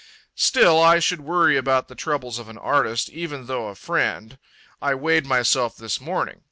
Still, I should worry about the troubles of an artist, even though a friend. I weighed myself this morning.